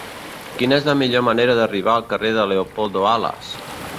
Quina és la millor manera d'arribar al carrer de Leopoldo Alas?